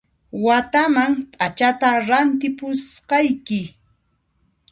Wataman p'achata rantipusqayki